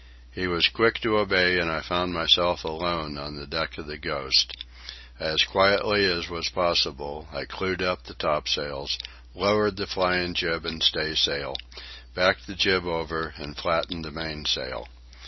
He was quick to obey, and I found myself alone on the deck of the Ghost. As quietly as was possible, I clewed up the topsails, lowered the flying jib and staysail, backed the jib over, and flattened the mainsail.